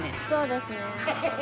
そうですね。